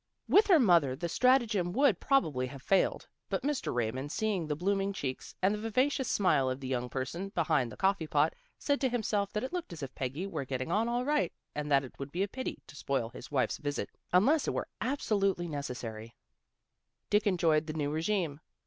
With her mother the stratagem would probably have failed, but Mr. Raymond seeing the blooming cheeks and vivacious smile of the young person behind the coffee pot, said to himself that it looked as if Peggy were get ting on all right, and that it would be a pity to spoil his wife's visit, unless it were absolutely necessary. A DISAGREEMENT 225 Dick enjoyed the new regime.